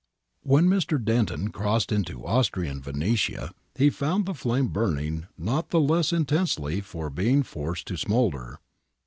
When Mr. Denton crossed into Austrian Venetia he found the flame burning not the less intensely for being forced to smoulder.